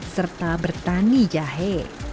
serta bertani jahe